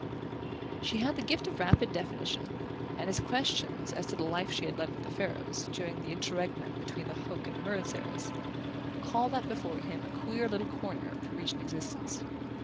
She had the gift of rapid definition, and his questions as to the life she had led with the Farlows, during the interregnum between the Hoke and Murrett eras, called up before him a queer little corner of Parisian existence.